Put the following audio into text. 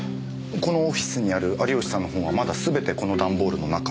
このオフィスにある有吉さんの本はまだすべてこのダンボールの中。